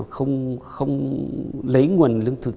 không lấy nguồn lương thực